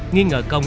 nghi ngờ công